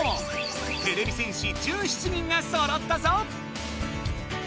てれび戦士１７人がそろったぞ！